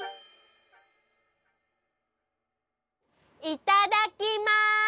いただきます！